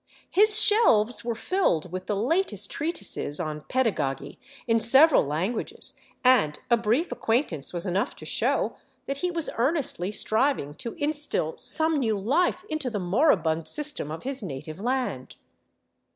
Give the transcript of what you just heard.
His shelves were filled with the latest treatises on pedagogy, in several languages, and a brief acquaint ance was enough to show that he was earnestly striving to instill some new life into the moribund system of his native land.